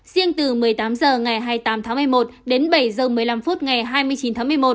riêng từ một mươi tám h ngày hai mươi tám tháng một mươi một đến bảy h một mươi năm phút ngày hai mươi chín tháng một mươi một